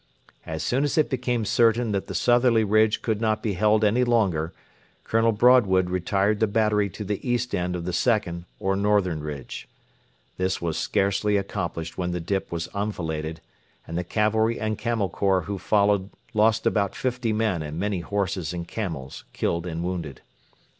As soon as it became certain that the southerly ridge could not be held any longer, Colonel Broadwood retired the battery to the east end of the second or northern ridge. This was scarcely accomplished when the dip was enfiladed, and the cavalry and Camel Corps who followed lost about fifty men and many horses and camels killed and wounded.